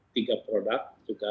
tiga produk juga